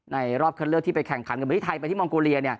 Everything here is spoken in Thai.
ในรอบเวลาที่ไปแข่งขันที่ไทยไปที่มองโกเรีย